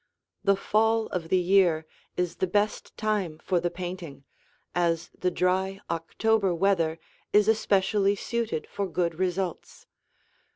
The fall of the year is the best time for the painting, as the dry October weather is especially suited for good results.